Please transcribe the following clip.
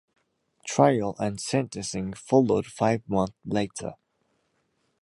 Trial and sentencing followed five months later.